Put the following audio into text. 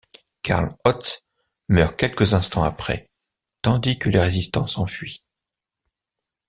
Karl Hotz meurt quelques instants après, tandis que les résistants s'enfuient.